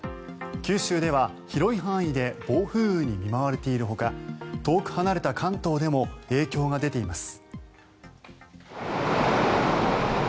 九州では広い範囲で暴風雨に見舞われているほか遠く離れた関東でも影響が出ています。